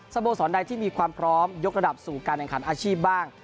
โมสรใดที่มีความพร้อมยกระดับสู่การแข่งขันอาชีพบ้าง